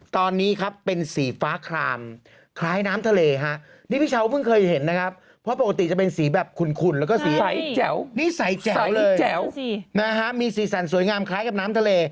ตอนนี้ครับเป็นสีฟ้าคลามคล้ายน้ำทะเล